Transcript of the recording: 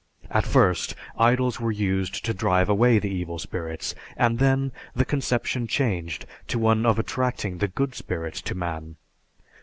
At first, idols were used to drive away the evil spirits, and then, the conception changed to one of attracting the good spirits to man.